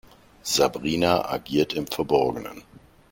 Sabrina agiert im Verborgenen.